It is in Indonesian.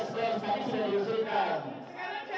kita selalu berharap